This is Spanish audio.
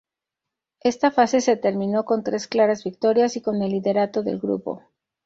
Esta fase se terminó con tres claras victorias y con el liderato del grupo.